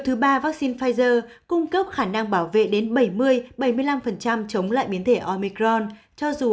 thứ ba vaccine pfizer cung cấp khả năng bảo vệ đến bảy mươi bảy mươi năm chống lại biến thể omicron cho dù